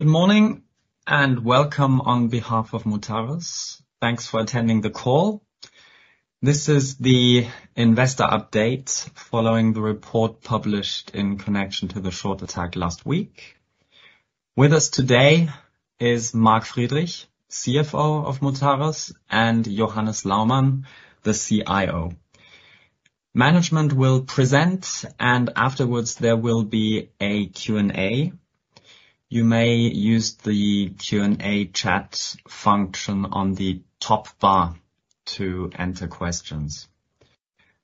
Good morning, and welcome on behalf of Mutares. Thanks for attending the call. This is the investor update following the report published in connection to the short attack last week. With us today is Mark Friedrich, CFO of Mutares, and Johannes Laumann, the CIO. Management will present, and afterwards, there will be a Q&A. You may use the Q&A chat function on the top bar to enter questions.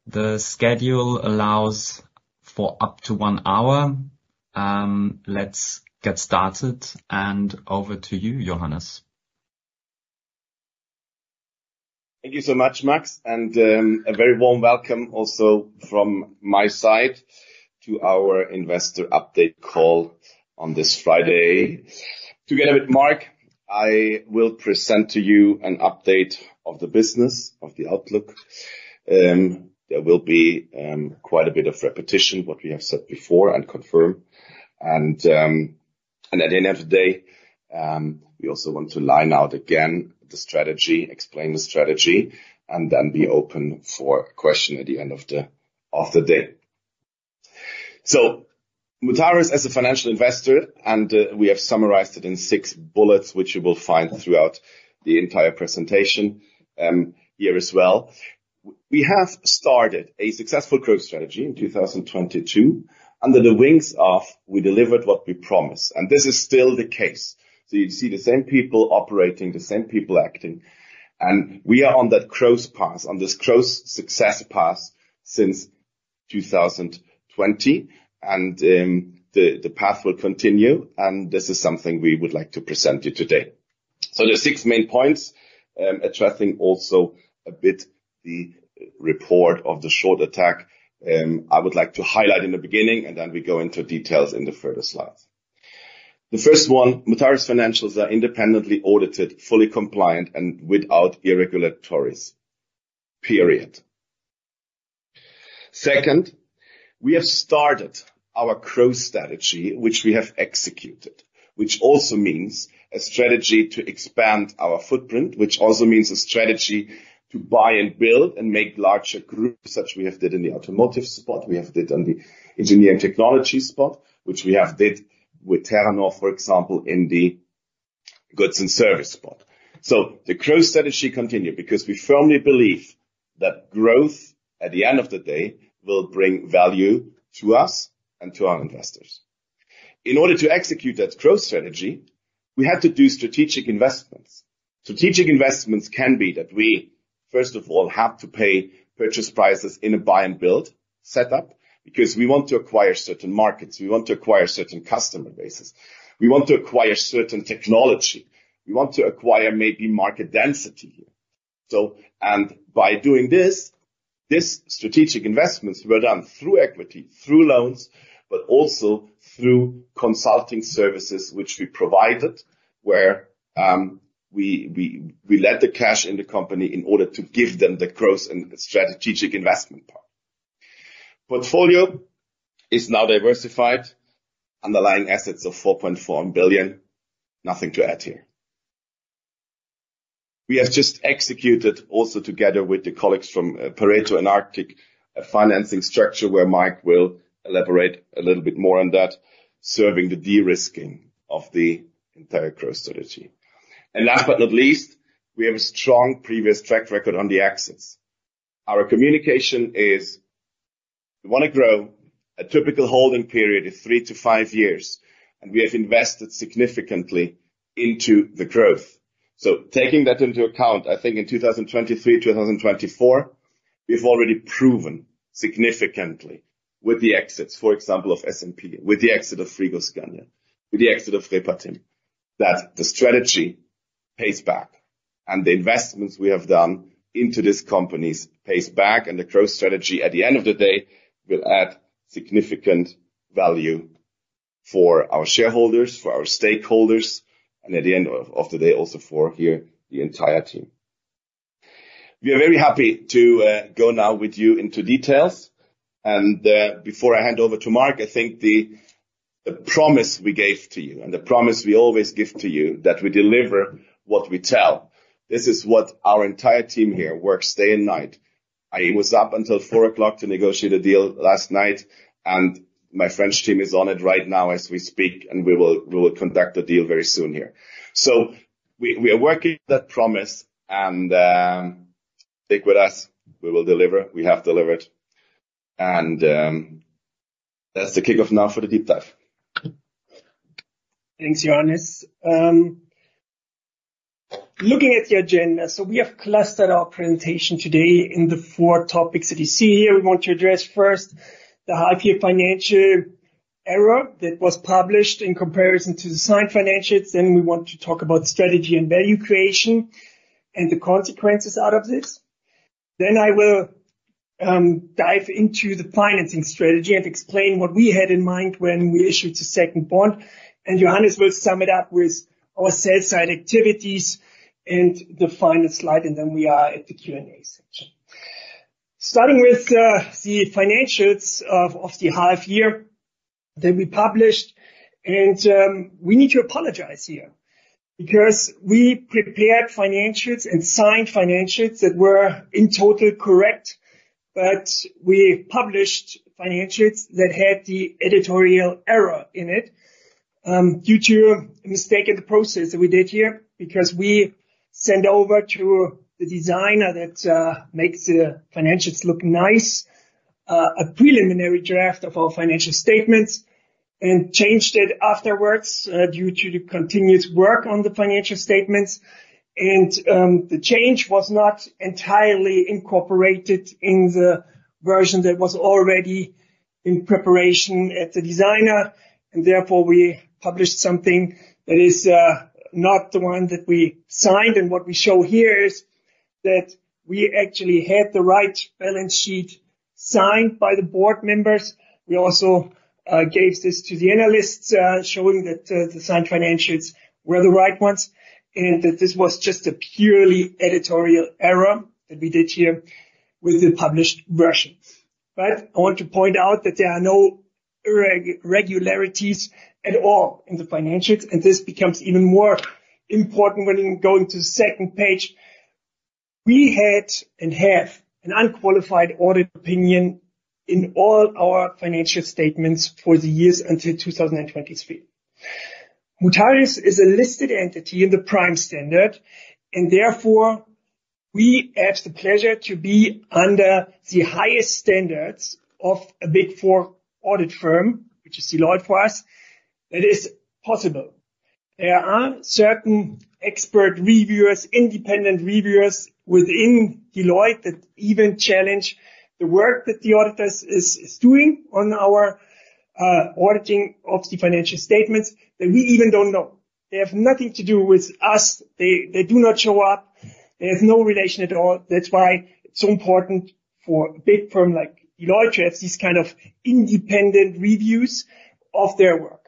The schedule allows for up to one hour. Let's get started, and over to you, Johannes. Thank you so much, Max, and a very warm welcome also from my side to our investor update call on this Friday. Together with Mark, I will present to you an update of the business, of the outlook. There will be quite a bit of repetition what we have said before and confirm. And at the end of the day, we also want to line out again the strategy, explain the strategy, and then be open for question at the end of the day. So Mutares, as a financial investor, and we have summarized it in six bullets, which you will find throughout the entire presentation, here as well. We have started a successful growth strategy in 2022. Under the wings of, we delivered what we promised, and this is still the case. So you see the same people operating, the same people acting, and we are on that growth path, on this growth success path since 2020, and the path will continue, and this is something we would like to present to you today. So the six main points, addressing also a bit the report of the short attack, I would like to highlight in the beginning, and then we go into details in the further slides. The first one: Mutares financials are independently audited, fully compliant, and without irregularities, period. Second, we have started our growth strategy, which we have executed, which also means a strategy to expand our footprint, which also means a strategy to buy and build and make larger groups, such we have did in the automotive spot, we have did on the engineering technology spot, which we have did with Terranor, for example, in the goods and service spot. So the growth strategy continue because we firmly believe that growth, at the end of the day, will bring value to us and to our investors. In order to execute that growth strategy, we had to do strategic investments. Strategic investments can be that we, first of all, have to pay purchase prices in a buy and build setup because we want to acquire certain markets, we want to acquire certain customer bases, we want to acquire certain technology, we want to acquire maybe market density here. By doing this, these strategic investments were done through equity, through loans, but also through consulting services, which we provided, where we led the cash in the company in order to give them the growth and strategic investment part. Portfolio is now diversified, underlying assets of €4.4 billion. Nothing to add here. We have just executed, also together with the colleagues from Pareto and Arctic, a financing structure where Mark will elaborate a little bit more on that, serving the de-risking of the entire growth strategy. Last but not least, we have a strong previous track record on the exits. Our communication is we wanna grow. A typical holding period is three to five years, and we have invested significantly into the growth. Taking that into account, I think in 2023, 2024, we've already proven significantly with the exits, for example, of SMP, with the exit of Frigoscandia, with the exit of Repartim, that the strategy pays back, and the investments we have done into these companies pays back, and the growth strategy, at the end of the day, will add significant value for our shareholders, for our stakeholders, and at the end of the day, also for here, the entire team. We are very happy to go now with you into details, and before I hand over to Mark, I think the promise we gave to you and the promise we always give to you, that we deliver what we tell. This is what our entire team here works day and night. I was up until 4:00 A.M. to negotiate a deal last night, and my French team is on it right now as we speak, and we will conduct a deal very soon here. So we are working that promise, and stick with us. We will deliver. We have delivered, and that's the kickoff now for the deep dive. Thanks, Johannes. Looking at the agenda, so we have clustered our presentation today in the four topics that you see here. We want to address first, the H1 financial error that was published in comparison to the signed financials. Then we want to talk about strategy and value creation and the consequences out of this. Then I will dive into the financing strategy and explain what we had in mind when we issued the second bond, and Johannes will sum it up with our sales side activities and the final slide, and then we are at the Q&A session. Starting with the financials of the half year that we published, and we need to apologize here, because we prepared financials and signed financials that were in total correct, but we published financials that had the editorial error in it, due to a mistake in the process that we did here, because we sent over to the designer that makes the financials look nice a preliminary draft of our financial statements, and changed it afterwards, due to the continuous work on the financial statements. And the change was not entirely incorporated in the version that was already in preparation at the designer, and therefore, we published something that is not the one that we signed. And what we show here is that we actually had the right balance sheet signed by the board members. We also gave this to the analysts, showing that the signed financials were the right ones, and that this was just a purely editorial error that we did here with the published versions. But I want to point out that there are no irregularities at all in the financials, and this becomes even more important when you go into the second page. We had and have an unqualified audit opinion in all our financial statements for the years until 2023. Mutares is a listed entity in the Prime Standard, and therefore, we have the pleasure to be under the highest standards of a Big Four audit firm, which is Deloitte for us, that is possible. There are certain expert reviewers, independent reviewers within Deloitte, that even challenge the work that the auditors is doing on our auditing of the financial statements that we even don't know. They have nothing to do with us. They do not show up. There is no relation at all. That's why it's so important for a big firm like Deloitte to have these kind of independent reviews of their work.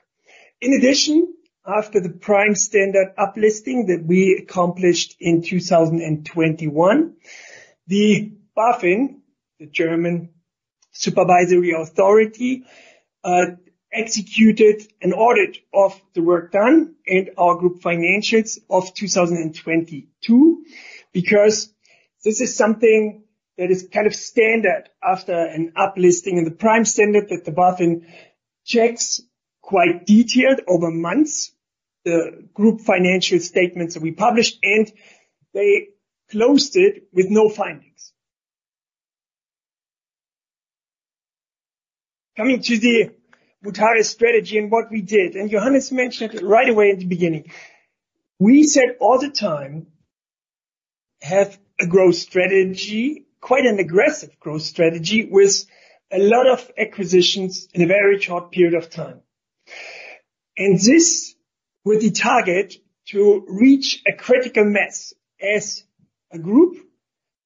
In addition, after the Prime Standard uplisting that we accomplished in 2021, the BaFin, the German Supervisory Authority, executed an audit of the work done and our group financials of 2022, because this is something that is kind of standard after an uplisting in the Prime Standard, that the BaFin checks quite detailed over months, the group financial statements that we published, and they closed it with no findings. Coming to the Mutares strategy and what we did, and Johannes mentioned it right away at the beginning. We said all the time, have a growth strategy, quite an aggressive growth strategy, with a lot of acquisitions in a very short period of time. And this with the target to reach a critical mass as a group,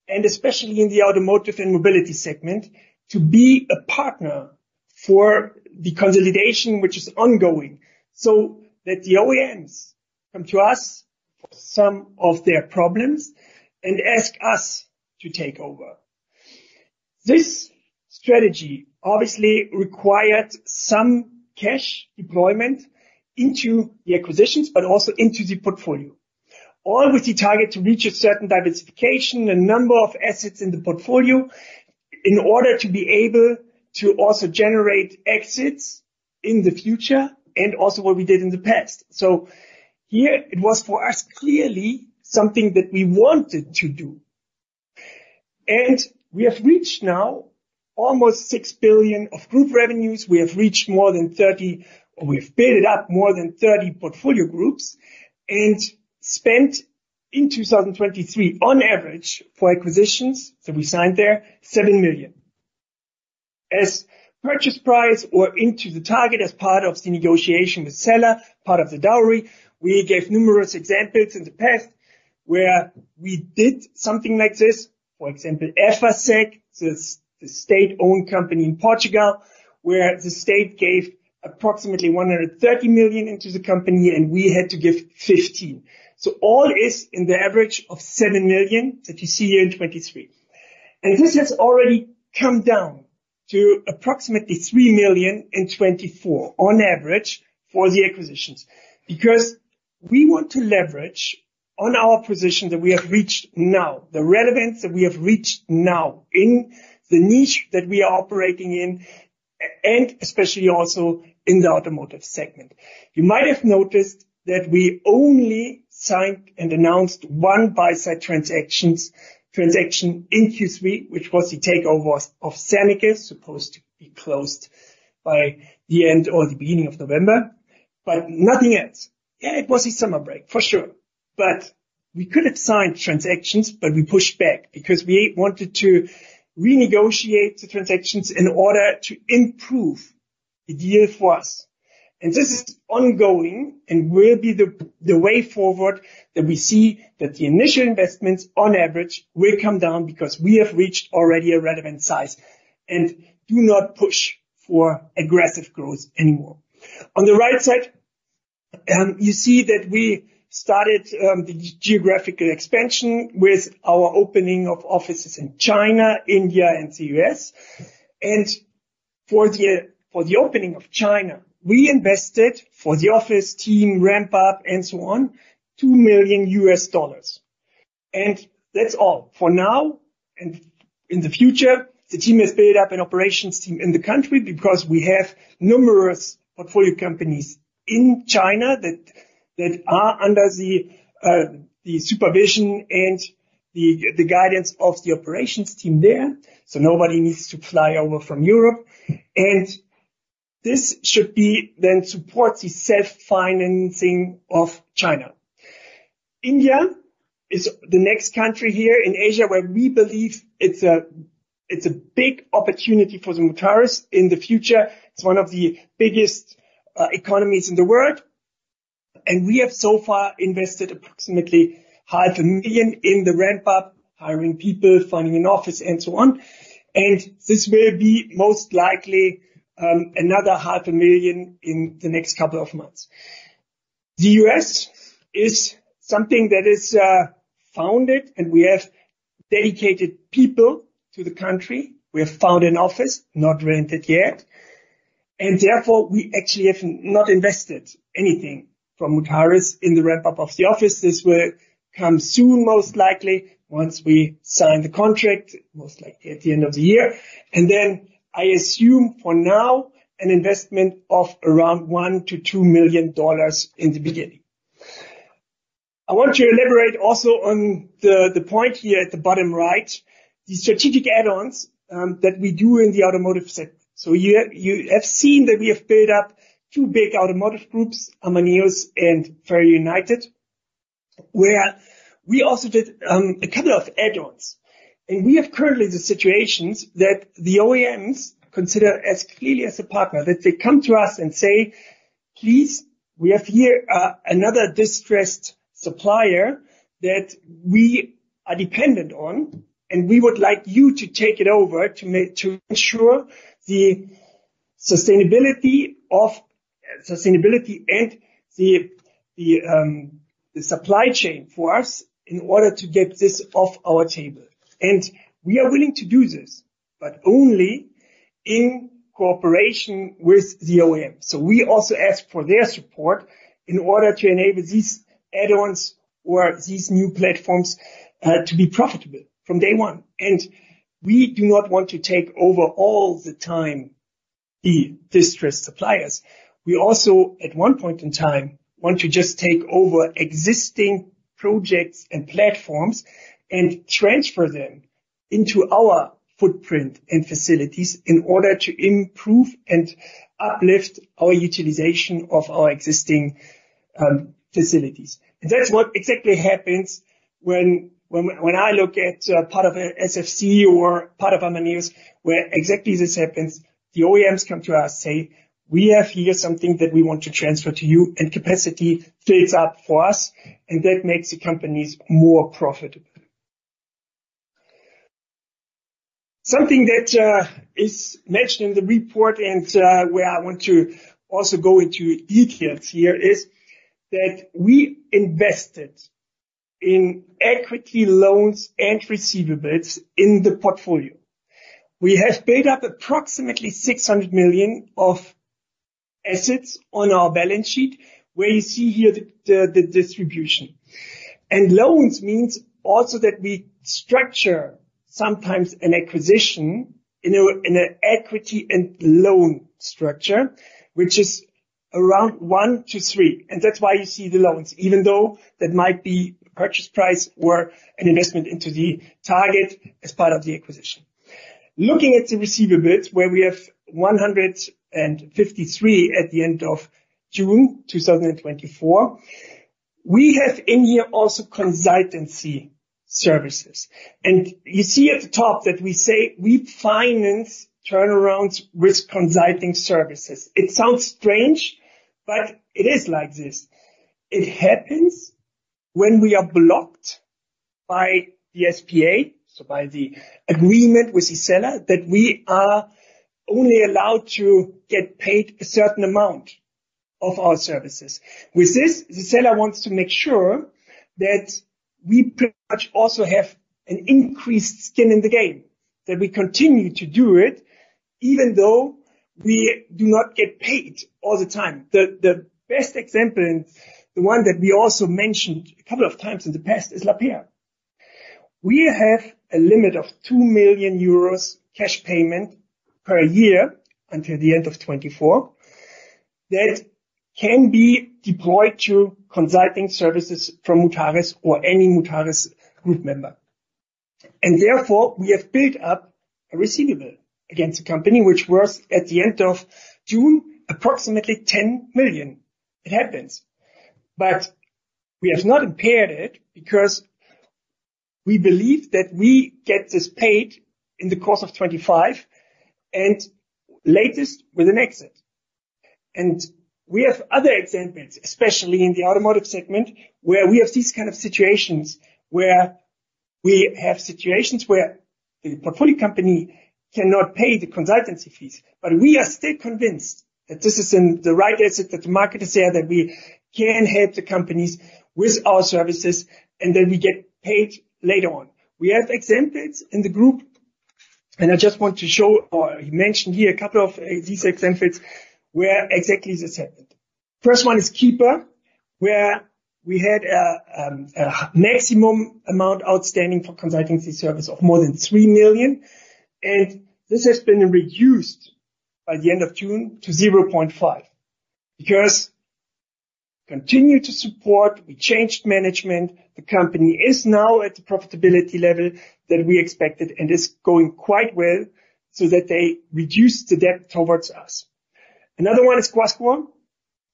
and especially in the automotive and mobility segment, to be a partner for the consolidation, which is ongoing, so that the OEMs come to us for some of their problems and ask us to take over. This strategy obviously required some cash deployment into the acquisitions, but also into the portfolio. All with the target to reach a certain diversification and number of assets in the portfolio, in order to be able to also generate exits in the future, and also what we did in the past. So here it was, for us, clearly something that we wanted to do. And we have reached now almost €6 billion of group revenues. We have reached more than 30. We've built up more than 30 portfolio groups, and spent, in 2023, on average, for acquisitions that we signed there, €7 million. As purchase price or into the target as part of the negotiation with seller, part of the dowry, we gave numerous examples in the past where we did something like this. For example, Efacec, the state-owned company in Portugal, where the state gave approximately €130 million into the company, and we had to give €15 million. So all is in the average of €7 million that you see here in 2023. And this has already come down to approximately €3 million in 2024, on average, for the acquisitions. Because we want to leverage on our position that we have reached now, the relevance that we have reached now in the niche that we are operating in, and especially also in the automotive segment. You might have noticed that we only signed and announced one buy-side transaction in Q3, which was the takeover of Zenitel, supposed to be closed by the end or the beginning of November, but nothing else. Yeah, it was a summer break, for sure, but we could have signed transactions, but we pushed back because we wanted to renegotiate the transactions in order to improve the deal for us. And this is ongoing and will be the way forward that we see that the initial investments, on average, will come down because we have reached already a relevant size and do not push for aggressive growth anymore. On the right side-... You see that we started the geographical expansion with our opening of offices in China, India, and the U.S. And for the opening of China, we invested for the office team, ramp up, and so on, $2 million, and that's all. For now, and in the future, the team has built up an operations team in the country because we have numerous portfolio companies in China that are under the supervision and the guidance of the operations team there. So nobody needs to fly over from Europe, and this should be then support the self-financing of China. India is the next country here in Asia, where we believe it's a big opportunity for the Mutares in the future. It's one of the biggest economies in the world, and we have so far invested approximately 500,000 in the ramp up, hiring people, finding an office, and so on. And this will be most likely another 500,000 in the next couple of months. The U.S. is something that is founded, and we have dedicated people to the country. We have found an office, not rented yet, and therefore we actually have not invested anything from Mutares in the ramp-up of the office. This will come soon, most likely, once we sign the contract, most likely at the end of the year. And then I assume for now, an investment of around $1-2 million in the beginning. I want to elaborate also on the point here at the bottom right, the strategic add-ons that we do in the automotive sector, so you have seen that we have built up two big automotive groups, Amaneos and FerrAl United, where we also did a couple of add-ons, and we have currently the situations that the OEMs consider as clearly as a partner, that they come to us and say, "Please, we have here another distressed supplier that we are dependent on, and we would like you to take it over, to make- to ensure the sustainability of sustainability and the supply chain for us in order to get this off our table," and we are willing to do this, but only in cooperation with the OEM. So we also ask for their support in order to enable these add-ons or these new platforms to be profitable from day one. And we do not want to take over all the time, the distressed suppliers. We also, at one point in time, want to just take over existing projects and platforms and transfer them into our footprint and facilities in order to improve and uplift our utilization of our existing facilities. And that's what exactly happens when I look at part of SFC or part of Amaneos, where exactly this happens, the OEMs come to us, say, "We have here something that we want to transfer to you," and capacity fills up for us, and that makes the companies more profitable. Something that is mentioned in the report, and where I want to also go into details here, is that we invested in equity loans and receivables in the portfolio. We have built up approximately 600 million of assets on our balance sheet, where you see here the distribution, and loans means also that we structure sometimes an acquisition in a equity and loan structure, which is around one to three, and that's why you see the loans, even though that might be purchase price or an investment into the target as part of the acquisition. Looking at the receivables, where we have 153 million at the end of June 2024, we have in here also consultancy services, and you see at the top that we say we finance turnarounds with consulting services. It sounds strange, but it is like this. It happens when we are blocked by the SPA, so by the agreement with the seller, that we are only allowed to get paid a certain amount of our services. With this, the seller wants to make sure that we pretty much also have an increased skin in the game, that we continue to do it, even though we do not get paid all the time. The best example, and the one that we also mentioned a couple of times in the past, is Lapeyre. We have a limit of 2 million euros cash payment per year until the end of 2024. That can be deployed to consulting services from Mutares or any Mutares group member. And therefore, we have built up a receivable against the company, which was, at the end of June, approximately 10 million. It happens, but we have not impaired it because we believe that we get this paid in the course of 2025, and latest with an exit. And we have other examples, especially in the automotive segment, where we have these kind of situations. We have situations where the portfolio company cannot pay the consultancy fees, but we are still convinced that this is in the right asset, that the market is there, that we can help the companies with our services, and then we get paid later on. We have examples in the group, and I just want to show or mention here a couple of these examples where exactly this happened. First one is Keeeper, where we had a maximum amount outstanding for consultancy service of more than €3 million, and this has been reduced by the end of June to €0.5 million, because continue to support, we changed management. The company is now at the profitability level that we expected and is going quite well, so that they reduced the debt towards us. Another one is Guascor Energy,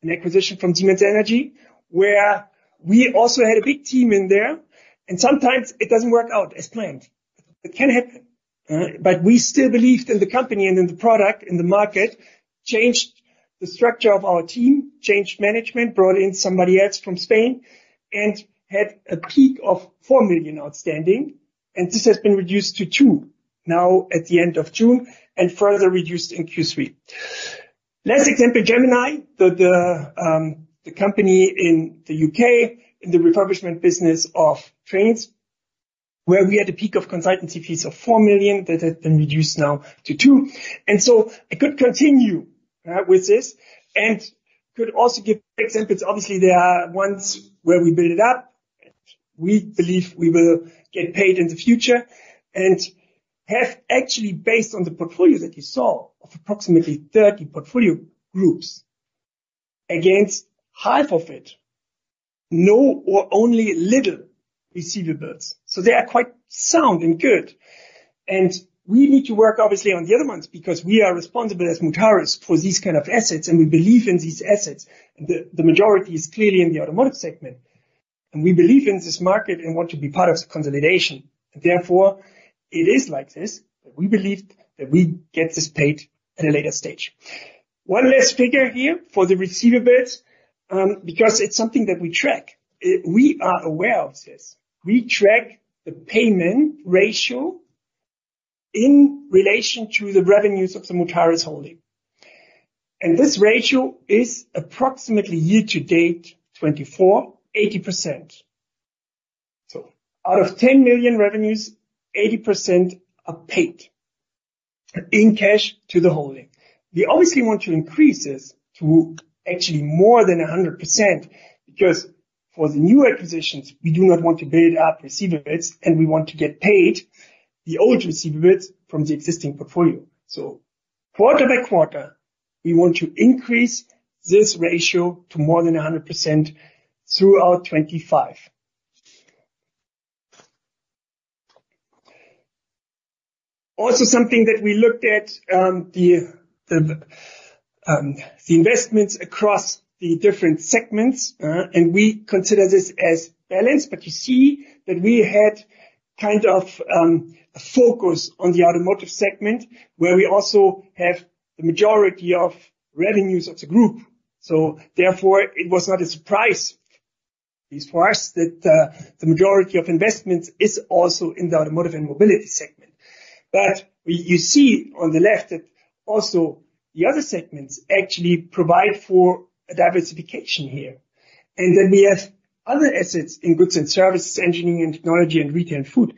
an acquisition from Siemens Energy, where we also had a big team in there, and sometimes it doesn't work out as planned. It can happen, but we still believed in the company and in the product, in the market, changed the structure of our team, changed management, brought in somebody else from Spain, and had a peak of €4 million outstanding, and this has been reduced to €2 million now at the end of June, and further reduced in Q3. Last example, Gemini, the company in the U.K., in the refurbishment business of trains, where we had a peak of consultancy fees of 4 million, that has been reduced now to 2 million. And so I could continue with this and could also give examples. Obviously, there are ones where we build it up, and we believe we will get paid in the future, and have actually, based on the portfolio that you saw, of approximately 30 portfolio groups against half of it, no or only little receivables. So they are quite sound and good. And we need to work, obviously, on the other ones, because we are responsible as Mutares for these kind of assets, and we believe in these assets. And the majority is clearly in the automotive segment, and we believe in this market and want to be part of the consolidation. Therefore, it is like this, but we believe that we get this paid at a later stage. One last figure here for the receivables, because it's something that we track. We are aware of this. We track the payment ratio in relation to the revenues of the Mutares Holding, and this ratio is approximately year to date, 24.8%. So out of 10 million revenues, 80% are paid in cash to the holding. We obviously want to increase this to actually more than 100%, because for the new acquisitions, we do not want to build up receivables, and we want to get paid the old receivables from the existing portfolio. So quarter by quarter, we want to increase this ratio to more than 100% throughout 2025. Also, something that we looked at, the investments across the different segments, and we consider this as balanced, but you see that we had kind of a focus on the automotive segment, where we also have the majority of revenues of the group. So therefore, it was not a surprise at least for us, that the majority of investments is also in the automotive and mobility segment. But you see on the left that also the other segments actually provide for a diversification here. And then we have other assets in goods and services, engineering and technology, and retail and food,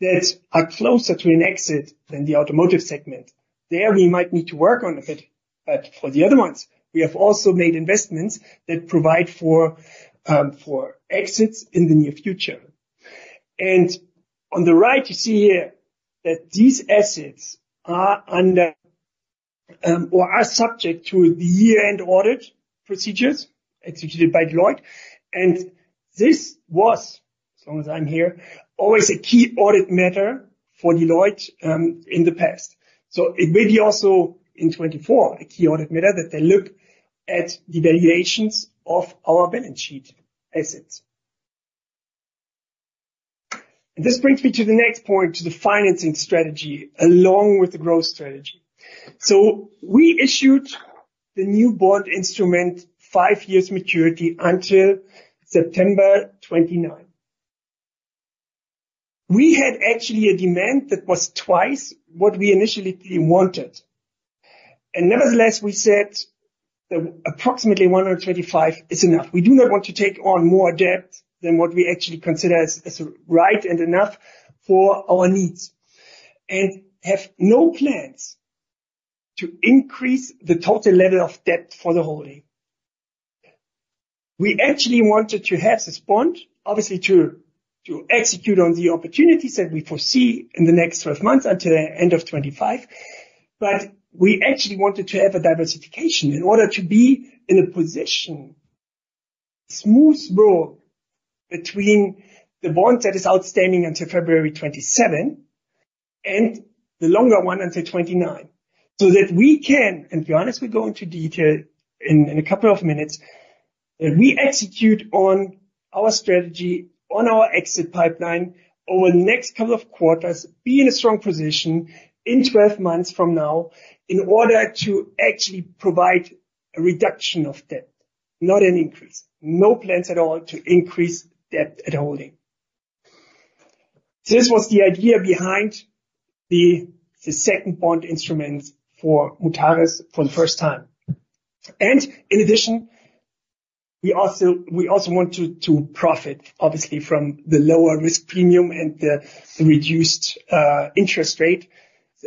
that are closer to an exit than the automotive segment. There, we might need to work on a bit, but for the other ones, we have also made investments that provide for for exits in the near future. On the right, you see here that these assets are under or are subject to the year-end audit procedures executed by Deloitte. This was, as long as I'm here, always a key audit matter for Deloitte in the past. It may be also in 2024 a key audit matter that they look at the valuations of our balance sheet assets. This brings me to the next point, to the financing strategy, along with the growth strategy. We issued the new bond instrument, five years maturity until September 2029. We had actually a demand that was twice what we initially wanted, and nevertheless, we said that approximately €125 is enough. We do not want to take on more debt than what we actually consider as right and enough for our needs, and have no plans to increase the total level of debt for the whole year. We actually wanted to have this bond, obviously, to execute on the opportunities that we foresee in the next 12 months until the end of 2025, but we actually wanted to have a diversification in order to be in a position, smooth road, between the bond that is outstanding until February 27 and the longer one until 29. So that we can, and to be honest, we go into detail in a couple of minutes, we execute on our strategy, on our exit pipeline over the next couple of quarters, be in a strong position in twelve months from now in order to actually provide a reduction of debt... Not an increase, no plans at all to increase debt at holding. This was the idea behind the second bond instrument for Mutares for the first time. And in addition, we also want to profit, obviously, from the lower risk premium and the reduced interest rate,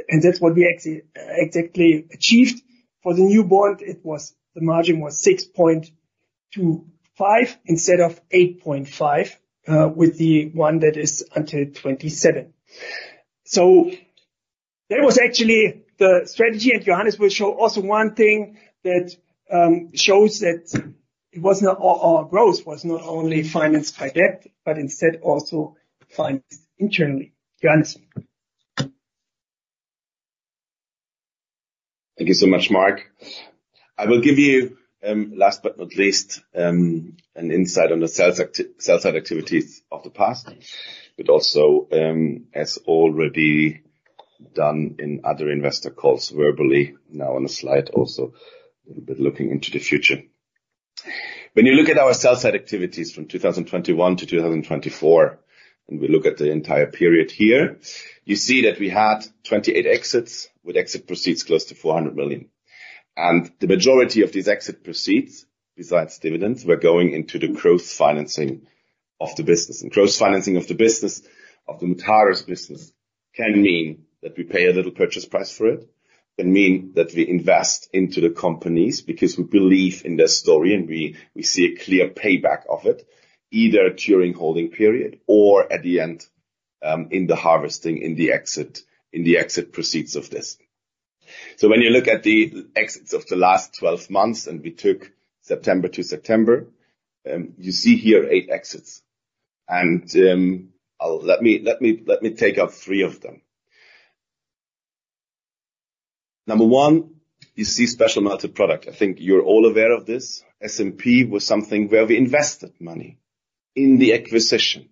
and that's what we actually exactly achieved. For the new bond, the margin was 6.25 instead of 8.5 with the one that is until 2027. So that was actually the strategy, and Johannes will show also one thing that shows that it was not our growth was not only financed by debt, but instead also financed internally. Johannes? Thank you so much, Mark. I will give you, last but not least, an insight on the sales side activities of the past, but also, as already done in other investor calls verbally, now on a slide, also a little bit looking into the future. When you look at our sales side activities from 2021 to 2024, and we look at the entire period here, you see that we had 28 exits, with exit proceeds close to 400 million. And the majority of these exit proceeds, besides dividends, were going into the growth financing of the business. And growth financing of the business, of the Mutares business, can mean that we pay a little purchase price for it. It mean that we invest into the companies, because we believe in their story, and we see a clear payback of it, either during holding period or at the end, in the harvesting, in the exit, in the exit proceeds of this. So when you look at the exits of the last 12 months, and we took September to September, you see here eight exits. Let me take out three of them. Number one, you see Special Melted Products. I think you're all aware of this. SMP was something where we invested money in the acquisition.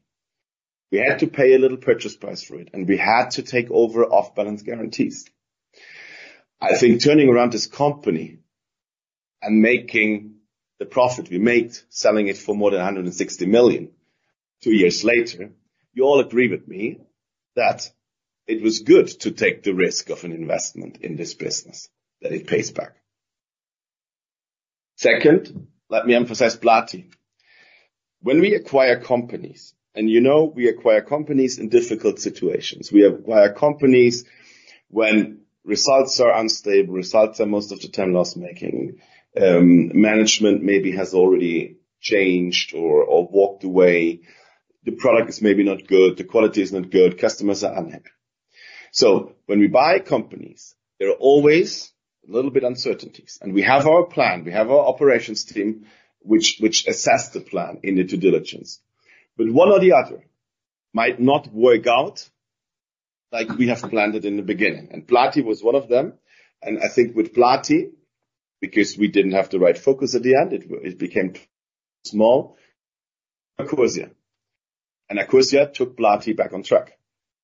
We had to pay a little purchase price for it, and we had to take over off-balance guarantees. I think turning around this company and making the profit we made, selling it for more than €160 million two years later, you all agree with me that it was good to take the risk of an investment in this business, that it pays back. Second, let me emphasize Plati. When we acquire companies, and you know, we acquire companies in difficult situations, we acquire companies when results are unstable, results are, most of the time, loss-making. Management maybe has already changed or walked away. The product is maybe not good, the quality is not good, customers are unhappy. So when we buy companies, there are always a little bit uncertainties, and we have our plan, we have our operations team, which assess the plan in the due diligence. But one or the other might not work out like we have planned it in the beginning, and Plati was one of them. And I think with Plati, because we didn't have the right focus at the end, it became small. Accursia, and Accursia took Plati back on track.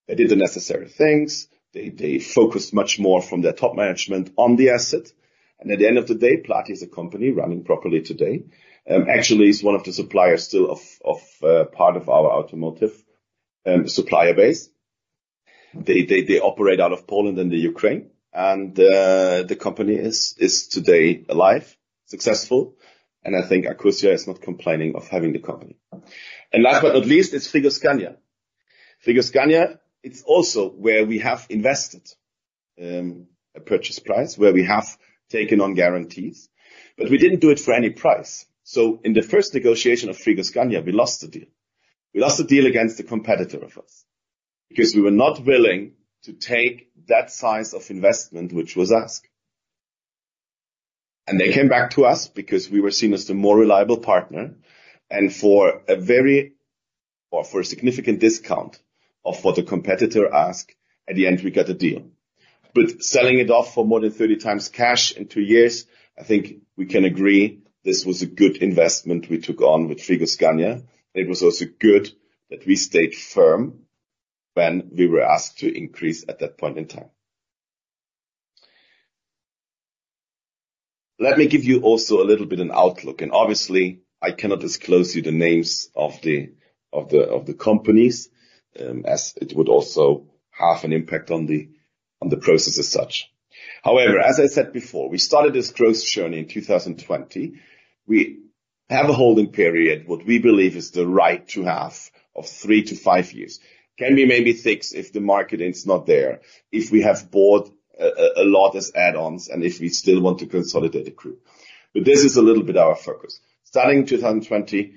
They did the necessary things, they focused much more from their top management on the asset, and at the end of the day, Plati is a company running properly today. Actually, it's one of the suppliers still of part of our automotive supplier base. They operate out of Poland and the Ukraine, and the company is today alive, successful, and I think Accursia is not complaining of having the company. And last but not least, it's Frigoscandia. Frigoscandia, it's also where we have invested, a purchase price, where we have taken on guarantees, but we didn't do it for any price. So in the first negotiation of Frigoscandia, we lost the deal. We lost the deal against a competitor of ours, because we were not willing to take that size of investment which was asked. And they came back to us, because we were seen as the more reliable partner, and for a significant discount of what the competitor asked, at the end, we got a deal. But selling it off for more than 30 times cash in two years, I think we can agree this was a good investment we took on with Frigoscandia. It was also good that we stayed firm when we were asked to increase at that point in time. Let me give you also a little bit an outlook, and obviously, I cannot disclose to you the names of the companies, as it would also have an impact on the process as such. However, as I said before, we started this growth journey in 2020. We have a holding period, what we believe is the right to have, of three to five years. It can be maybe six if the market is not there, if we have bought a lot as add-ons, and if we still want to consolidate the group. But this is a little bit our focus. Starting 2020,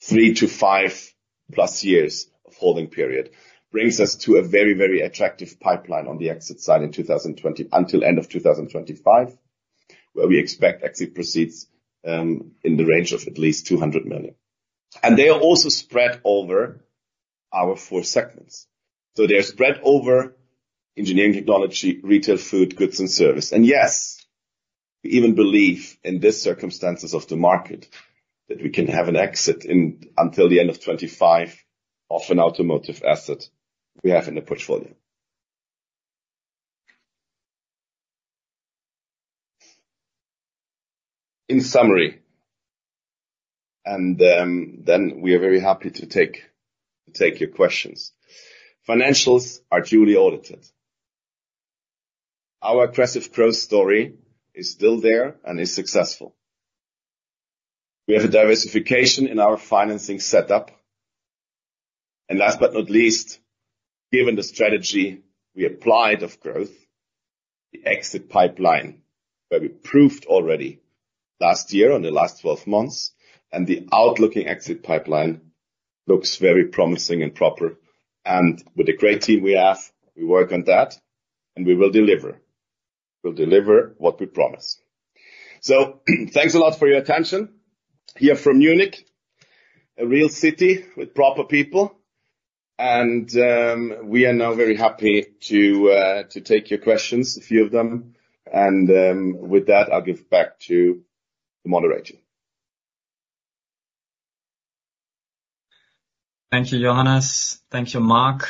three to five plus years of holding period brings us to a very, very attractive pipeline on the exit side in 2020 until end of 2025, where we expect exit proceeds in the range of at least 200 million. And they are also spread over our four segments. So they are spread over engineering technology, retail, food, goods, and service. And yes, we even believe in this circumstances of the market, that we can have an exit until the end of 2025, of an automotive asset we have in the portfolio. In summary, then we are very happy to take your questions. Financials are duly audited. Our aggressive growth story is still there and is successful. We have a diversification in our financing setup, and last but not least, given the strategy we applied of growth, the exit pipeline, where we proved already last year, on the last twelve months, and the outlooking exit pipeline looks very promising and proper, and with the great team we have, we work on that, and we will deliver. We'll deliver what we promise, so thanks a lot for your attention here from Munich, a real city with proper people, and we are now very happy to take your questions, a few of them, and with that, I'll give back to the moderator. Thank you, Johannes. Thank you, Mark.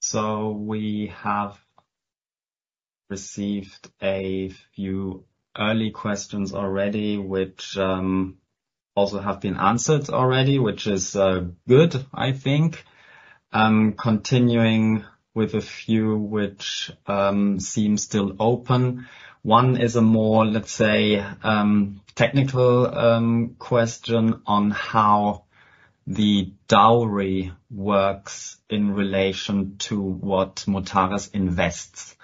So we have received a few early questions already, which also have been answered already, which is good, I think. I'm continuing with a few which seems still open. One is a more, let's say, technical question on how the dowry works in relation to what Mutares invests.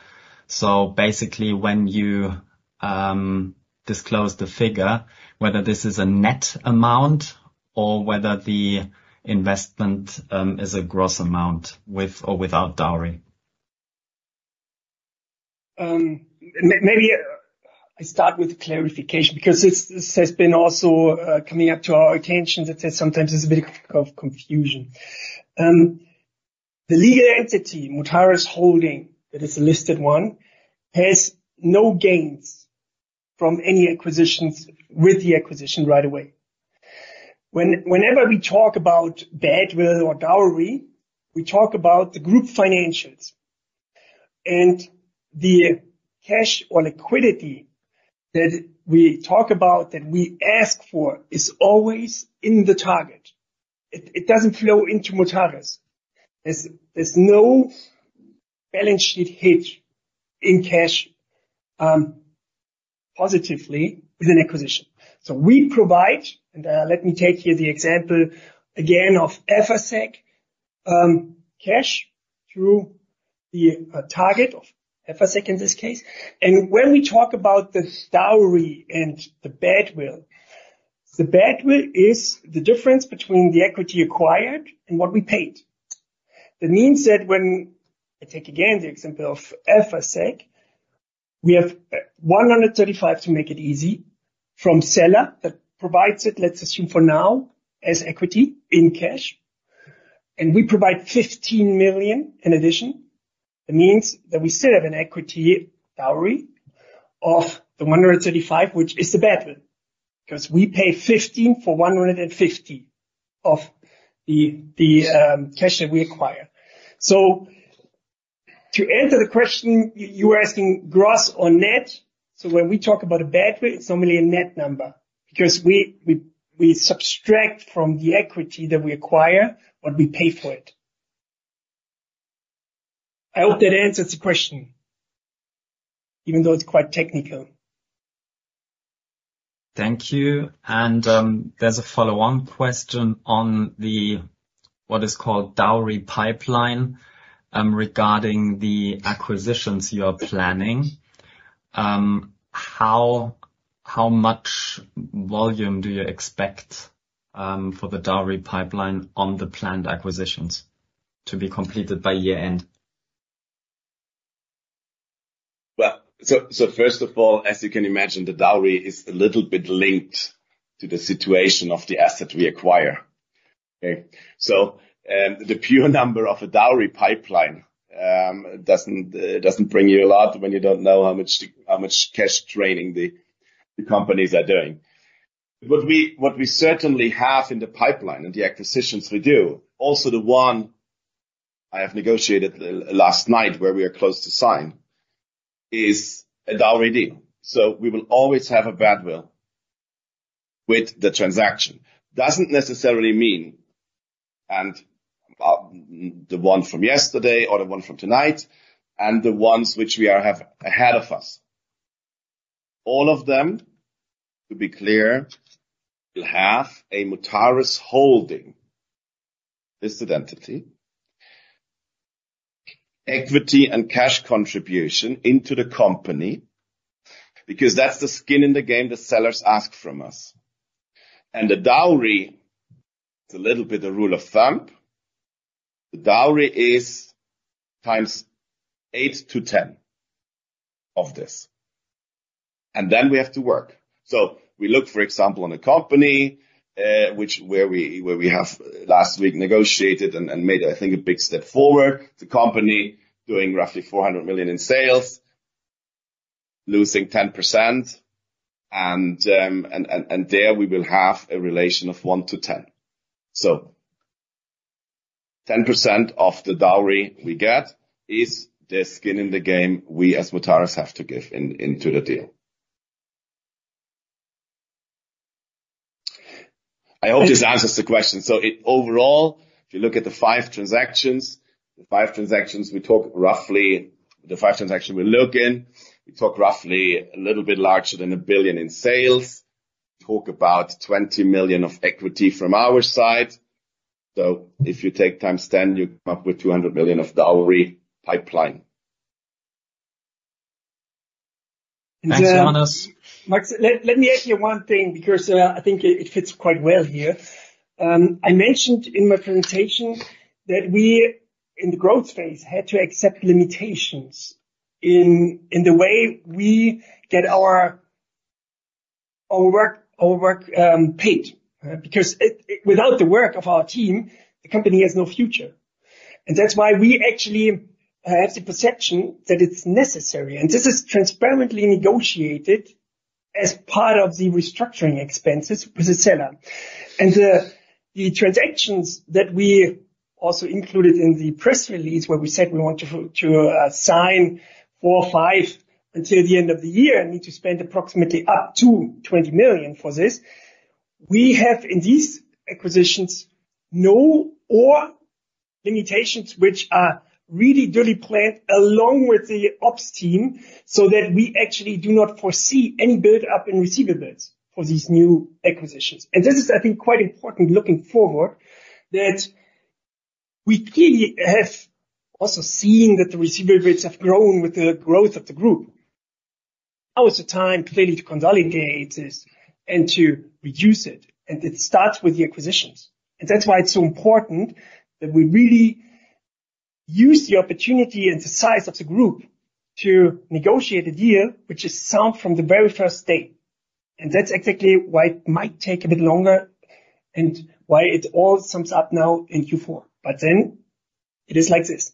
So basically, when you disclose the figure, whether this is a net amount or whether the investment is a gross amount with or without dowry. Maybe I start with clarification, because this has been also coming up to our attention, that there's sometimes is a bit of confusion. The legal entity, Mutares Holding, that is a listed one, has no gains from any acquisitions with the acquisition right away. Whenever we talk about goodwill or dowry, we talk about the group financials. And the cash or liquidity that we talk about, that we ask for, is always in the target. It doesn't flow into Mutares. There's no balance sheet hit in cash, positively with an acquisition. So we provide, and let me take here the example again of Efacec. Cash through the target of Efacec, in this case. And when we talk about this dowry and the goodwill, the goodwill is the difference between the equity acquired and what we paid. That means that when I take again the example of Efacec. We have 135 million, to make it easy, from seller that provides it. Let's assume for now, as equity in cash, and we provide 15 million in addition. It means that we still have an equity dowry of the 135 million, which is the goodwill, because we pay 15 million for 150 million of the cash that we acquire. So to answer the question, you are asking gross or net? So when we talk about a goodwill, it's normally a net number, because we subtract from the equity that we acquire, what we pay for it. I hope that answers the question, even though it's quite technical. Thank you, and there's a follow-on question on what is called the Dowry pipeline regarding the acquisitions you are planning. How much volume do you expect for the Dowry pipeline on the planned acquisitions to be completed by year end? Well, so first of all, as you can imagine, the dowry is a little bit linked to the situation of the asset we acquire. Okay? So, the pure number of a dowry pipeline doesn't bring you a lot when you don't know how much cash draining the companies are doing. What we certainly have in the pipeline and the acquisitions we do, also, the one I have negotiated last night, where we are close to sign, is a dowry deal. So we will always have a goodwill with the transaction. Doesn't necessarily mean, and the one from yesterday or the one from tonight, and the ones which we are have ahead of us. All of them, to be clear, will have a Mutares holding. This the entity. Equity and cash contribution into the company, because that's the skin in the game that sellers ask from us. The dowry, it's a little bit a rule of thumb. The dowry is eight-10 times this, and then we have to work. We look, for example, on a company which we have last week negotiated and made, I think, a big step forward. The company doing roughly €400 million in sales, losing 10%, and there we will have a relation of 1-to-10. 10% of the dowry we get is the skin in the game we, as Mutares, have to give in, into the deal. I hope this answers the question. So overall, if you look at the five transactions, we talk roughly a little bit larger than €1 billion in sales. Talk about €20 million of equity from our side. So if you take times 10, you come up with €200 million of dowry pipeline. Thanks, Johannes. Max, let me ask you one thing, because I think it fits quite well here. I mentioned in my presentation that we, in the growth phase, had to accept limitations in the way we get our work paid, because without the work of our team, the company has no future, and that's why we actually have the perception that it's necessary, and this is transparently negotiated as part of the restructuring expenses with the seller, and the transactions that we also included in the press release, where we said we want to sign four or five until the end of the year and need to spend approximately up to 20 million for this. We have, in these acquisitions, no, or low limitations, which are really duly planned along with the ops team, so that we actually do not foresee any build-up in receivables for these new acquisitions. And this is, I think, quite important looking forward, that we clearly have also seen that the receivables have grown with the growth of the group. Now is the time clearly to consolidate this and to reduce it, and it starts with the acquisitions. And that's why it's so important that we really use the opportunity and the size of the group to negotiate a deal which is sound from the very first day. And that's exactly why it might take a bit longer and why it all sums up now in Q4, but then it is like this.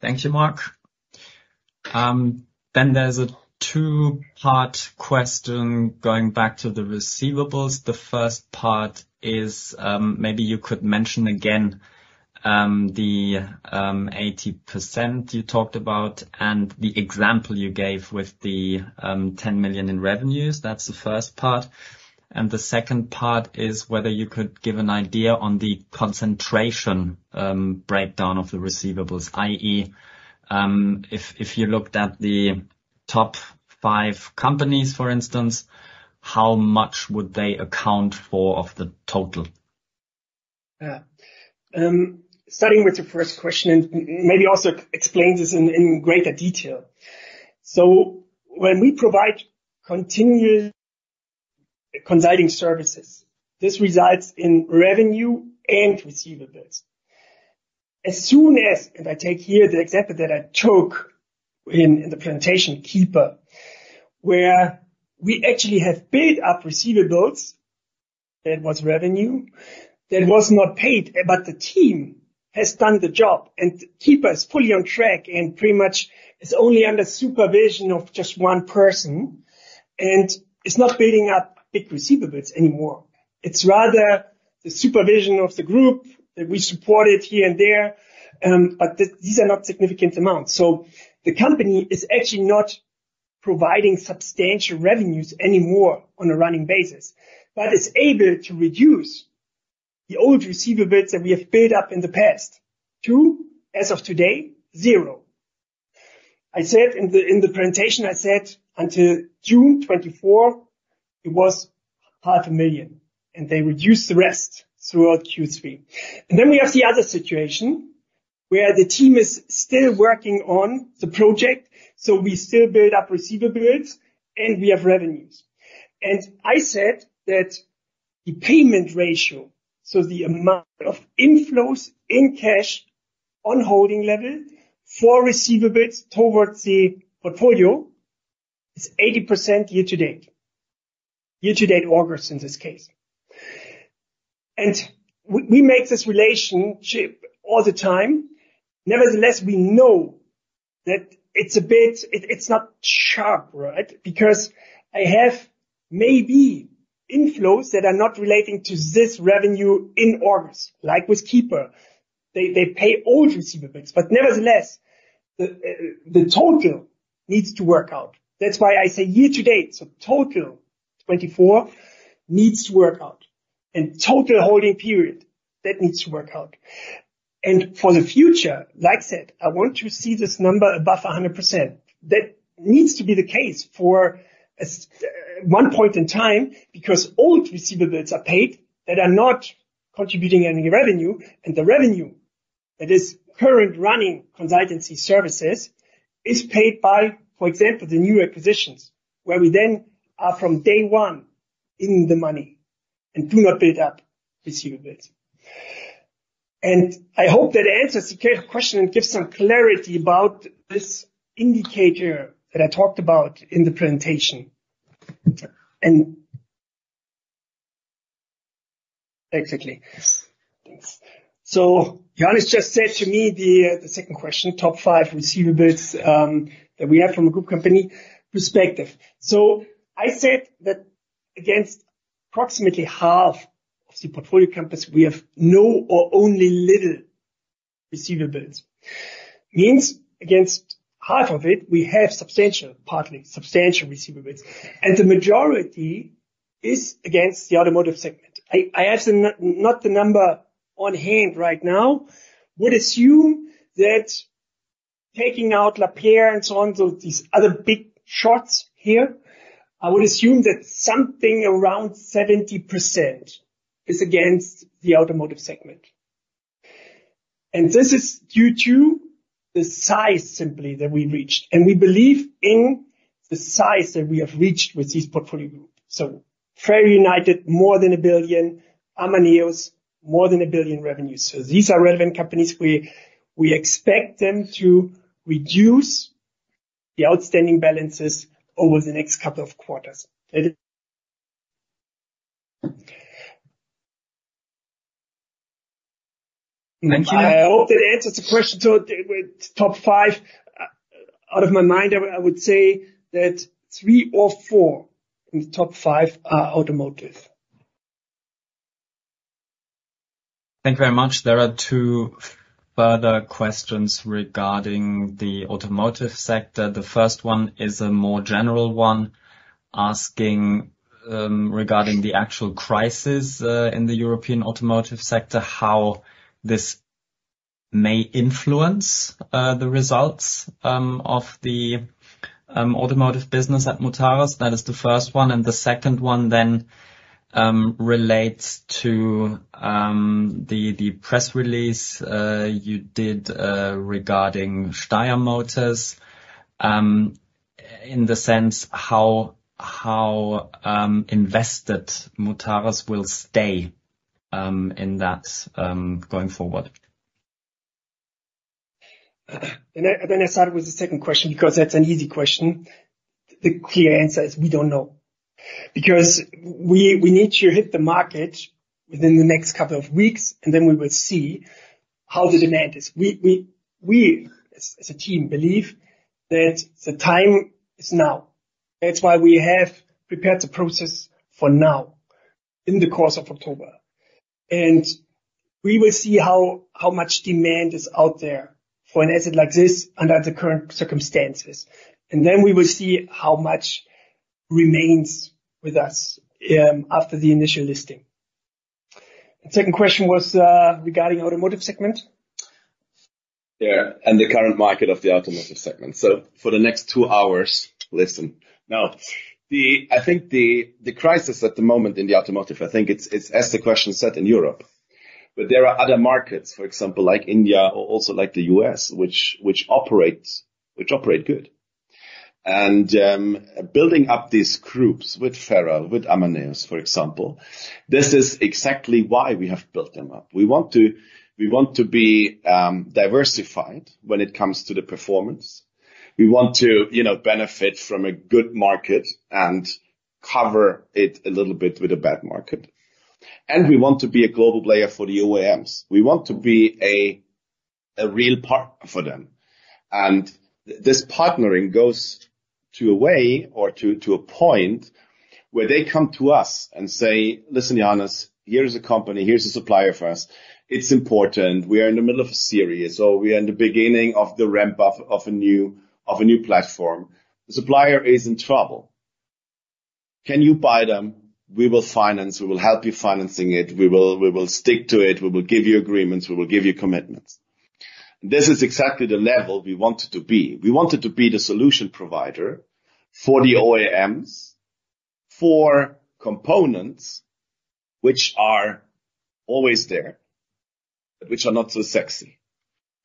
Thank you, Mark. Then there's a two-part question going back to the receivables. The first part is, maybe you could mention again, the 80% you talked about and the example you gave with the 10 million in revenues. That's the first part, and the second part is whether you could give an idea on the concentration breakdown of the receivables, i.e., if you looked at the top five companies, for instance, how much would they account for of the total? Yeah. Starting with the first question, and maybe also explain this in greater detail. So when we provide continuous consulting services, this results in revenue and receivables. As soon as, and I take here the example that I took in the presentation, Keeeper, where we actually have built up receivables, that was revenue, that was not paid, but the team has done the job, and Keeeper is fully on track and pretty much is only under supervision of just one person, and it's not building up big receivables anymore. It's rather the supervision of the group that we supported here and there, but these are not significant amounts. So the company is actually not providing substantial revenues anymore on a running basis, but is able to reduce the old receivables that we have built up in the past to, as of today, zero. I said in the presentation until June 2024 it was €500,000, and they reduced the rest throughout Q3. Then we have the other situation where the team is still working on the project, so we still build up receivables, and we have revenues. I said that the payment ratio, so the amount of inflows in cash on holding level for receivables towards the portfolio, is 80% year to date. Year to date, August, in this case. We make this relationship all the time. Nevertheless, we know that it's a bit... It, it's not sharp, right? Because I have maybe inflows that are not relating to this revenue in August, like with Keeeper. They pay old receivables, but nevertheless, the total needs to work out. That's why I say year to date, so 2024 needs to work out, and total holding period, that needs to work out. And for the future, like I said, I want to see this number above 100%. That needs to be the case for a one point in time, because old receivables are paid that are not contributing any revenue, and the revenue that is current running consultancy services, is paid by, for example, the new acquisitions, where we then are, from day one, in the money and do not build up receivables. And I hope that answers the question and gives some clarity about this indicator that I talked about in the presentation. And basically. So, Janice just said to me, the second question, top five receivables, that we have from a group company perspective. So I said that against approximately half of the portfolio companies, we have no or only little receivables. Means against half of it, we have substantial, partly substantial receivables, and the majority is against the automotive segment. I do not have the number on hand right now. Would assume that taking out Lapeyre and so on, so these other big shots here, I would assume that something around 70% is against the automotive segment. And this is due to the size simply that we reached, and we believe in the size that we have reached with this portfolio group. So FerrAl United, more than €1 billion, Amaneos, more than €1 billion revenues. So these are relevant companies. We expect them to reduce the outstanding balances over the next couple of quarters. Thank you. I hope that answers the question, so with top five, out of my mind, I would say that three or four in the top five are automotive. Thank you very much. There are two further questions regarding the automotive sector. The first one is a more general one, asking, regarding the actual crisis, in the European automotive sector, how this may influence, the results, of the, automotive business at Mutares. That is the first one, and the second one then, relates to, the, the press release, you did, regarding Steyr Motors, in the sense how, how, invested Mutares will stay, in that, going forward. Let me start with the second question, because that's an easy question. The clear answer is we don't know. Because we need to hit the market within the next couple of weeks, and then we will see how the demand is. We, as a team, believe that the time is now. That's why we have prepared the process for now in the course of October, and we will see how much demand is out there for an asset like this under the current circumstances, and then we will see how much remains with us after the initial listing. The second question was regarding automotive segment? Yeah, and the current market of the automotive segment. So for the next two hours, listen. Now, I think the crisis at the moment in the automotive. I think it's as the question said, in Europe. But there are other markets, for example, like India or also like the U.S., which operate good. And building up these groups with FerrAl, with Amaneos, for example, this is exactly why we have built them up. We want to be diversified when it comes to the performance. We want to, you know, benefit from a good market and cover it a little bit with a bad market. And we want to be a global player for the OEMs. We want to be a real partner for them. This partnering goes to a way or to a point where they come to us and say: Listen, Johannes, here is a company, here's a supplier for us. It's important, we are in the middle of a series, or we are in the beginning of the ramp-up of a new platform. The supplier is in trouble. Can you buy them? We will finance. We will help you financing it. We will stick to it. We will give you agreements, we will give you commitments. This is exactly the level we wanted to be. We wanted to be the solution provider for the OEMs, for components which are always there, but which are not so sexy.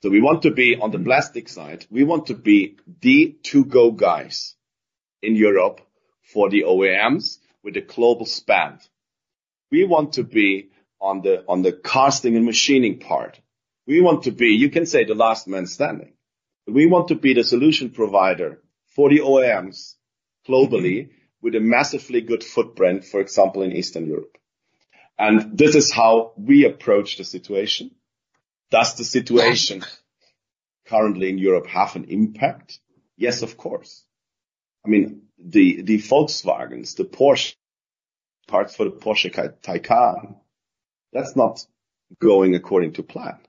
So we want to be on the plastic side. We want to be the go-to guys in Europe for the OEMs with a global span. We want to be on the casting and machining part. We want to be, you can say, the last man standing. We want to be the solution provider for the OEMs globally, with a massively good footprint, for example, in Eastern Europe. And this is how we approach the situation. Does the situation currently in Europe have an impact? Yes, of course. I mean, the Volkswagen's, the Porsche parts for the Porsche Taycan, that's not going according to plan.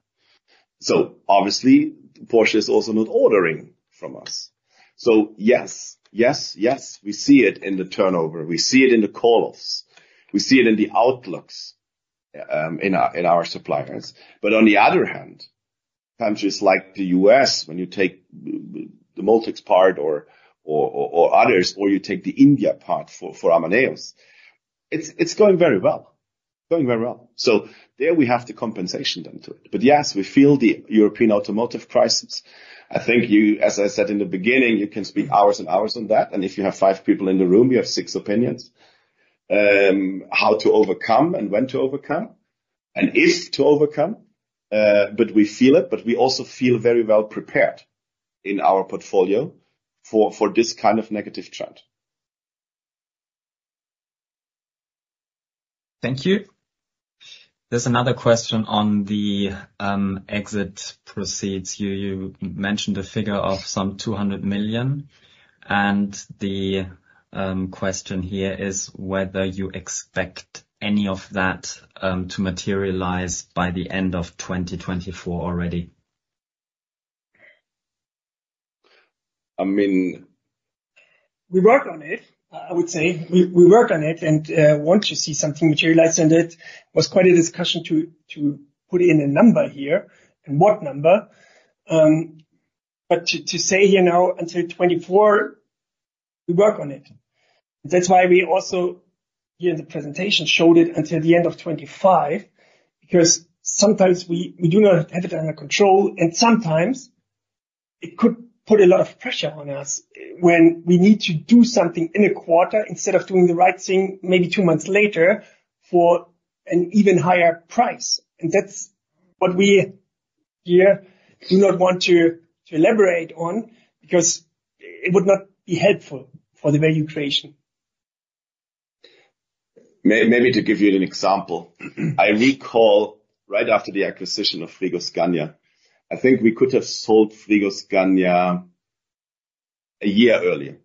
So obviously, Porsche is also not ordering from us. So yes, yes, yes, we see it in the turnover, we see it in the calls, we see it in the outlooks in our suppliers. But on the other hand, countries like the U.S., when you take the Mexico part or others, or you take the India part for Amaneos, it's going very well. So there we have the compensation then to it. But yes, we feel the European automotive crisis. I think you, as I said in the beginning, you can speak hours and hours on that, and if you have five people in the room, you have six opinions. How to overcome and when to overcome, and if to overcome, but we feel it, but we also feel very well prepared in our portfolio for this kind of negative trend. Thank you. There's another question on the, exit proceeds. You mentioned a figure of some two hundred million, and the question here is whether you expect any of that to materialize by the end of 2024 already? I mean- We work on it. I would say we work on it, and once you see something materialize, and it was quite a discussion to put in a number here, and what number? But to say here now, until 2024, we work on it. That's why we also here in the presentation showed it until the end of 2025, because sometimes we do not have it under control, and sometimes it could put a lot of pressure on us when we need to do something in a quarter instead of doing the right thing, maybe two months later, for an even higher price, and that's what we here do not want to elaborate on, because it would not be helpful for the value creation. Maybe to give you an example, I recall right after the acquisition of Frigoscandia, I think we could have sold Frigoscandia a year earlier.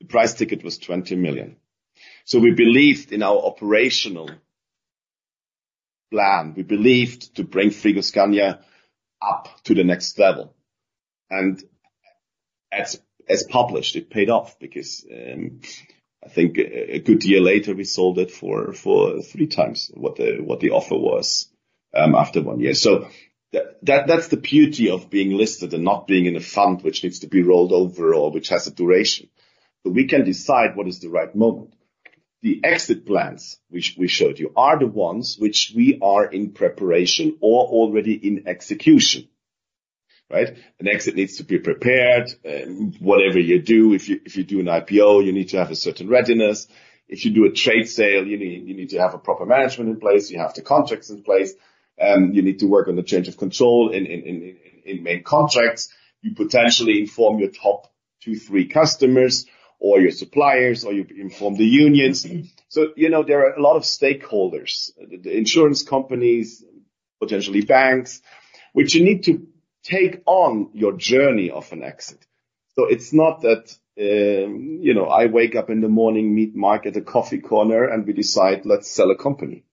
The price ticket was €20 million. So we believed in our operational plan. We believed to bring Frigoscandia up to the next level, and as, as published, it paid off because, I think a good year later, we sold it for, for three times what the, what the offer was, after one year. So that, that's the beauty of being listed and not being in a fund which needs to be rolled over or which has a duration. But we can decide what is the right moment. The exit plans, which we showed you, are the ones which we are in preparation or already in execution, right? An exit needs to be prepared. Whatever you do, if you do an IPO, you need to have a certain readiness. If you do a trade sale, you need to have a proper management in place, you have the contracts in place, you need to work on the change of control in main contracts. You potentially inform your top two, three customers or your suppliers, or you inform the unions. So, you know, there are a lot of stakeholders, the insurance companies, potentially banks, which you need to take on your journey of an exit. So it's not that, you know, I wake up in the morning, meet Mark at a coffee corner, and we decide, "Let's sell a company."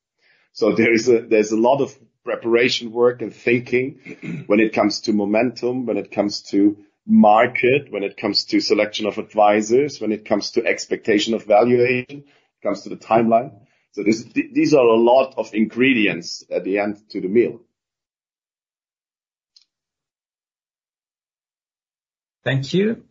So there's a lot of preparation work and thinking when it comes to momentum, when it comes to market, when it comes to selection of advisors, when it comes to expectation of valuation, when it comes to the timeline. So these are a lot of ingredients at the end to the meal. Thank you.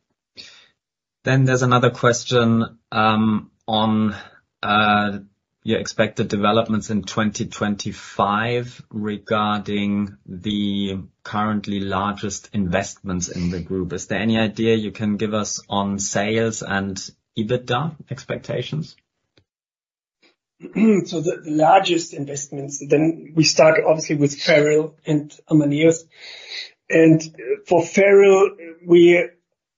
Then there's another question, on, your expected developments in 2025 regarding the currently largest investments in the group. Is there any idea you can give us on sales and EBITDA expectations? The largest investments, then we start obviously with FerrAl and Amaneos. For FerrAl, we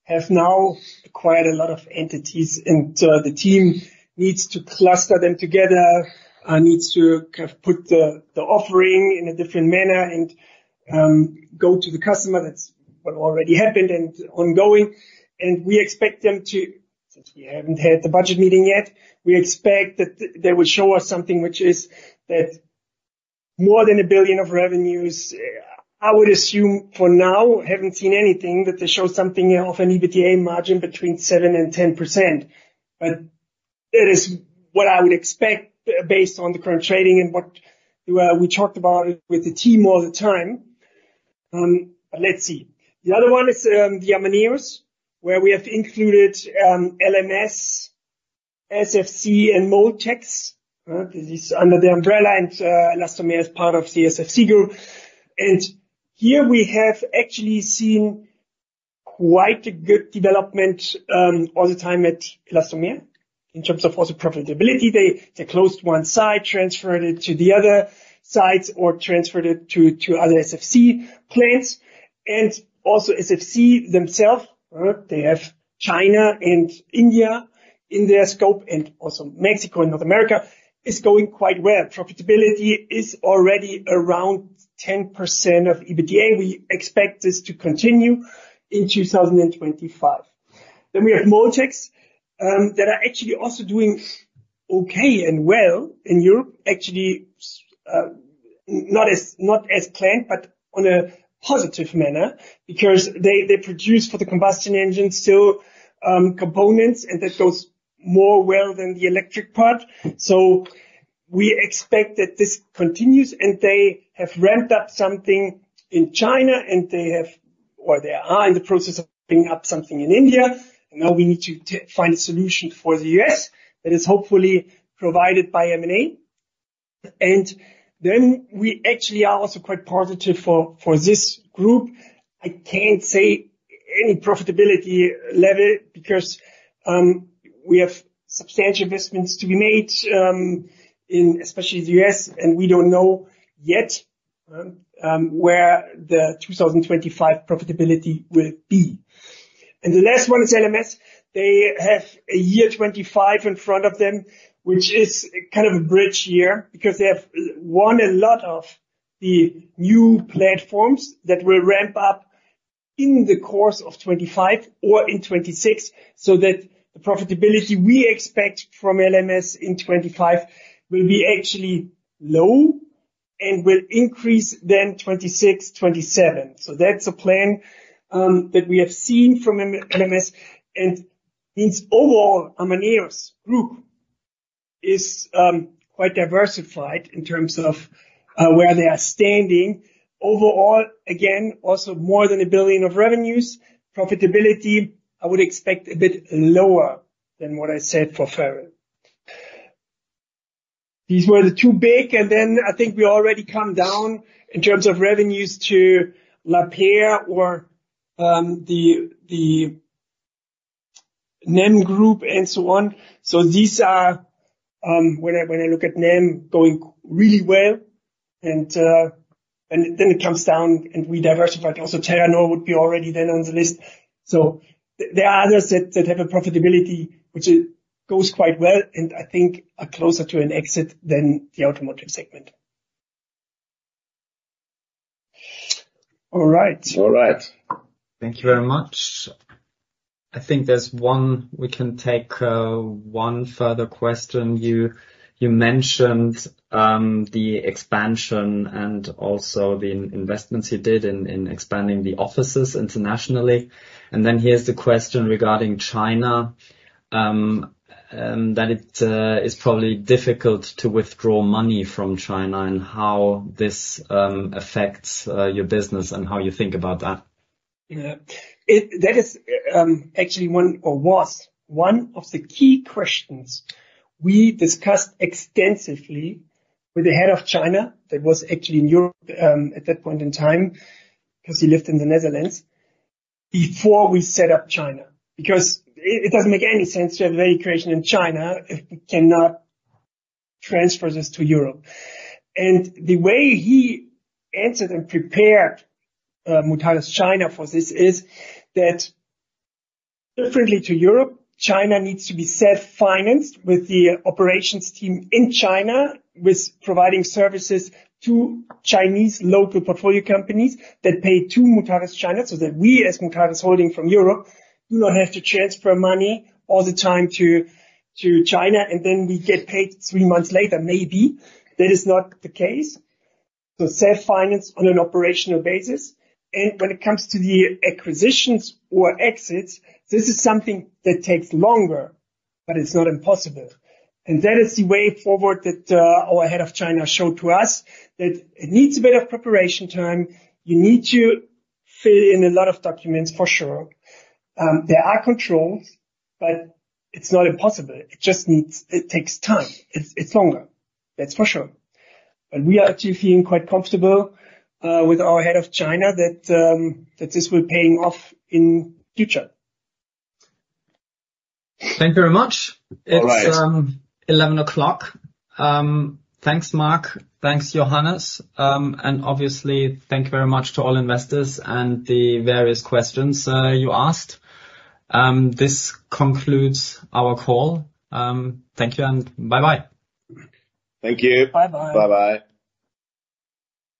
have now acquired a lot of entities, and the team needs to cluster them together, needs to kind of put the offering in a different manner and go to the customer. That's what already happened and ongoing, and we expect them to. Since we haven't had the budget meeting yet, we expect that they will show us something which is more than a billion of revenues. I would assume for now, haven't seen anything, that they show something of an EBITDA margin between 7% and 10%. But that is what I would expect based on the current trading and what we talked about it with the team all the time. But let's see. The other one is, the Amaneos, where we have included, LMS, SFC, and MoldTecs, right? This is under the umbrella, and, Elastomer is part of the SFC group. Here we have actually seen quite a good development, all the time at Elastomer, in terms of also profitability. They closed one site, transferred it to the other sites or transferred it to other SFC plants. Also SFC themselves, they have China and India in their scope, and also Mexico and North America, is going quite well. Profitability is already around 10% of EBITDA. We expect this to continue in 2025. Then we have MoldTecs, that are actually also doing okay and well in Europe. Actually, not as planned, but on a positive manner, because they produce for the combustion engine still, components, and that goes more well than the electric part. So we expect that this continues, and they have ramped up something in China, and they have, or they are in the process of putting up something in India. Now we need to find a solution for the U.S., that is hopefully provided by M&A. And then we actually are also quite positive for this group. I can't say any profitability level, because we have substantial investments to be made, in especially the U.S., and we don't know yet, where the 2025 profitability will be. And the last one is LMS. They have a year 2025 in front of them, which is kind of a bridge year, because they have won a lot of the new platforms that will ramp up in the course of 2025 or in 2026, so that the profitability we expect from LMS in 2025 will be actually low and will increase then 2026, 2027. So that's a plan that we have seen from LMS, and means overall, Amaneos group is quite diversified in terms of where they are standing. Overall, again, also more than a billion of revenues. Profitability, I would expect a bit lower than what I said for FerrAl. These were the two big, and then I think we already come down in terms of revenues to Lapeyre or the NEM group and so on. So these are, when I look at NEM going really well, and then it comes down and we diversify. Also, Terranor would be already then on the list. So there are others that have a profitability which is, goes quite well, and I think are closer to an exit than the automotive segment. All right. All right. Thank you very much. I think there's one. We can take one further question. You mentioned the expansion and also the investments you did in expanding the offices internationally. And then here's the question regarding China that it is probably difficult to withdraw money from China, and how this affects your business and how you think about that? Yeah. That is actually one, or was one of the key questions we discussed extensively with the head of China, that was actually in Europe, at that point in time, 'cause he lived in the Netherlands, before we set up China. Because it doesn't make any sense to have an acquisition in China if we cannot transfer this to Europe. And the way he entered and prepared Mutares China for this is, that differently to Europe, China needs to be self-financed with the operations team in China, with providing services to Chinese local portfolio companies that pay to Mutares China, so that we, as Mutares holding from Europe, do not have to transfer money all the time to China, and then we get paid three months later, maybe. That is not the case. So self-finance on an operational basis, and when it comes to the acquisitions or exits, this is something that takes longer, but it's not impossible, and that is the way forward that our head of China showed to us, that it needs a bit of preparation time. You need to fill in a lot of documents, for sure. There are controls, but it's not impossible. It just needs... It takes time. It's longer, that's for sure, but we are actually feeling quite comfortable with our head of China, that this will paying off in future. Thank you very much. All right. It's 11 o'clock. Thanks, Mark. Thanks, Johannes. And obviously, thank you very much to all investors and the various questions you asked. This concludes our call. Thank you, and bye-bye. Thank you. Bye-bye. Bye-bye.